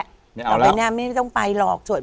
ต่อไปเนี่ยไม่ต้องไปหรอก